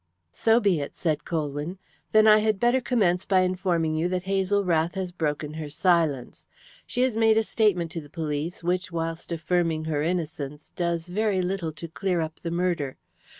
"So be it," said Colwyn. "Then I had better commence by informing you that Hazel Rath has broken her silence. She has made a statement to the police, which, whilst affirming her innocence, does very little to clear up the murder.